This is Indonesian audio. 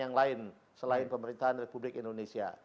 yang lain selain pemerintahan republik indonesia